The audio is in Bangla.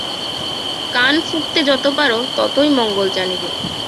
কান ফুঁকতে যত পার, ততই মঙ্গল জানিবে।